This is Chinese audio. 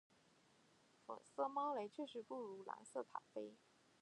粉色猫雷确实不如蓝色塔菲